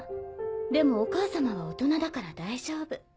でもお母様は大人だから大丈夫。